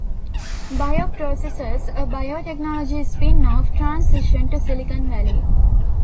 Bioprocessors, a biotechnology spinoff, transitioned to Silicon Valley.